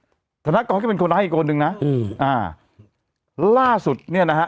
คุณธนกรก็เป็นคนร้ายอีกคนนึงนะอืมอ่าล่าสุดเนี้ยนะฮะ